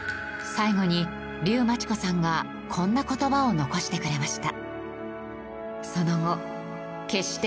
最後に竜真知子さんがこんな言葉を残してくれました。